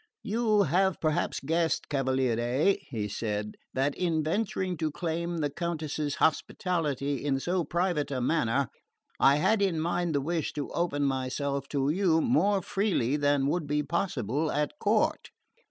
"You have perhaps guessed, cavaliere," he said, "that in venturing to claim the Countess's hospitality in so private a manner, I had in mind the wish to open myself to you more freely than would be possible at court."